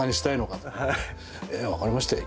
分かりましたよ